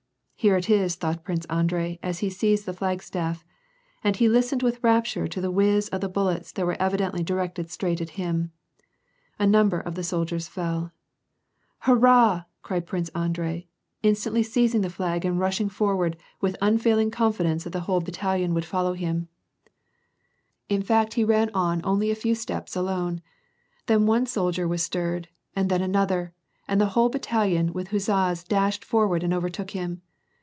" Here it is," thought Prince Andrei as he seized the flagstaff ; and he listened with rapture to the whizz of the ballets, that were evidently directed straight at him. A num ber of the soldiers fell. " Hurrah !" cried Prince Andrei, instantly seizing the flag and rushing forward with unfailing confidence that the whole battalion would follow him. 842 ^y^^ii ^^I> PEACE, In fact he ran on only a few steps alone. Then one soldier was stirred, and then another, and the whole battalion with huzzas dashed forward and overtook him.